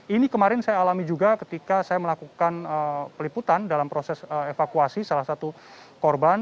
ini kemarin saya alami juga ketika saya melakukan peliputan dalam proses evakuasi salah satu korban